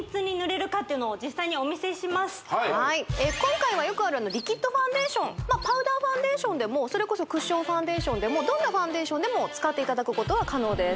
はい今回はよくあるリキッドファンデーションまあパウダーファンデーションでもそれこそクッションファンデーションでもどんなファンデーションでも使っていただくことは可能です